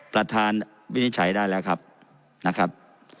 วินิจฉัยได้แล้วครับนะครับ